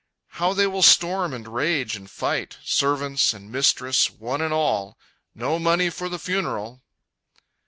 How they will storm and rage and fight, Servants and mistress, one and all, "No money for the funeral!"